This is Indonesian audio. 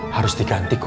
harus diganti kum